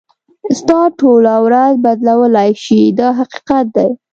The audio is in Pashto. ستا ټوله ورځ بدلولای شي دا حقیقت دی.